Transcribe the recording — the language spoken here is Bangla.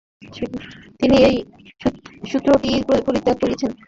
তিনি এই সূত্রটি পরিত্যাগ করেছিলেন।